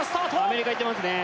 アメリカいってますね